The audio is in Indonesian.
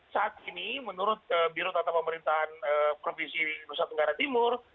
saat ini menurut biro tata pemerintahan provinsi nusa tenggara timur